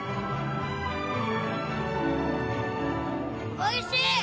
おいしい！